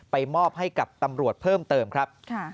มอบให้กับตำรวจเพิ่มเติมครับ